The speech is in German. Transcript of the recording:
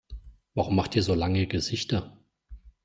Warum macht ihr so lange Gesichter?